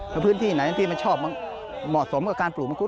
แล้วพื้นที่ไหนที่มันชอบมันเหมาะสมกับการปลูกมะกุ